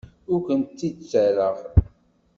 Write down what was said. Ur kent-id-ttarraɣ.